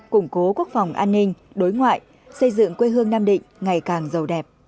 củng cố quốc phòng an ninh đối ngoại xây dựng quê hương nam định ngày càng giàu đẹp